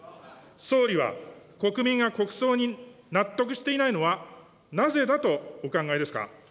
総理は国民が国葬に納得していないのは、なぜだとお考えですか。